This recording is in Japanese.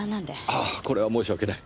ああこれは申し訳ない。